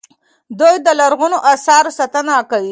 دوی د لرغونو اثارو ساتنه کوي.